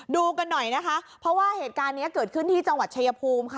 ดูกันหน่อยนะคะเพราะว่าเหตุการณ์นี้เกิดขึ้นที่จังหวัดชายภูมิค่ะ